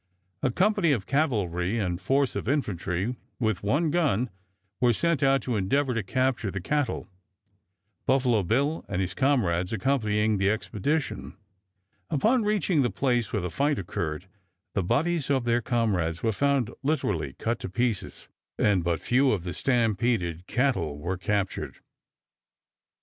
A company of cavalry and force of infantry, with one gun, were sent out to endeavor to capture the cattle, Buffalo Bill and his comrades accompanying the expedition. Upon reaching the place where the fight occurred, the bodies of their comrades were found literally cut to pieces, and but few of the stampeded cattle were captured.